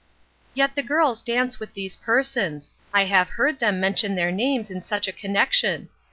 "Yet the girls dance with these persons ; I have heard them mention their names in such a connec tion.